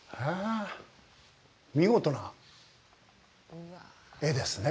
見事な絵ですね。